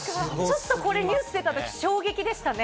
ちょっとこれニュース出た時衝撃でしたね。